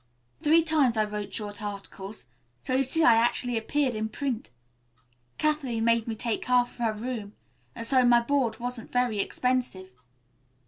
Three times I wrote short articles, so you see I actually appeared in print. Kathleen made me take half of her room, and so my board wasn't very expensive.